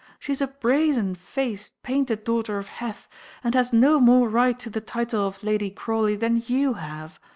She is a brazenfaced, painted daughter of Heth, and has no more right to the title of Lady Crawley than you have.